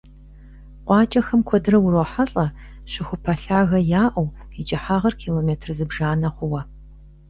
КъуакӀэхэм куэдрэ урохьэлӀэ щыхупӀэ лъагэ яӀэу, и кӀыхьагъыр километр зыбжанэ хъууэ.